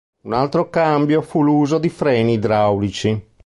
Un altro cambio fu l'uso di freni idraulici.